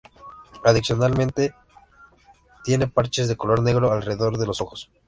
Adicionalmente, tiene parches de color negro alrededor de los ojos.